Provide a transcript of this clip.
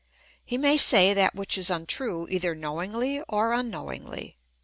^ He may say that which is untrue either knowingly or unknow ingly.